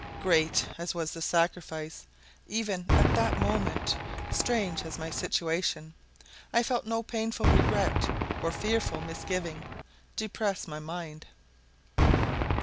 Great as was the sacrifice, even at that moment, strange as was my situation, I felt no painful regret or fearful misgiving depress my mind.